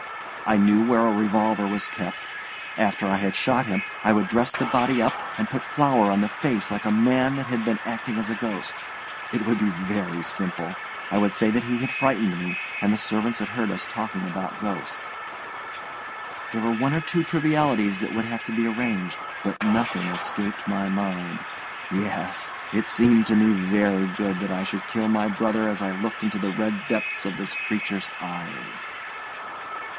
I knew where a revolver was kept; after I had shot him, I would dress the body up and put flour on the face like a man that had been acting as a ghost. It would be very simple. I would say that he had frightened me and the servants had heard us talking about ghosts. There were one or two trivialities that would have to be arranged, but nothing escaped my mind. Yes, it seemed to me very good that I should kill my brother as I looked into the red depths of this creature's eyes.